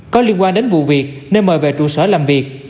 có liên quan đến vụ việc nên mời về trụ sở làm việc